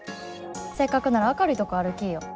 せっかくなら明るいとこ歩きいよ。